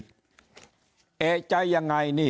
ยิ่งอาจจะมีคนเกณฑ์ไปลงเลือกตั้งล่วงหน้ากันเยอะไปหมดแบบนี้